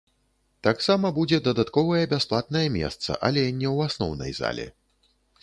Таксама будзе дадатковае бясплатнае месца, але не ў асноўнай зале.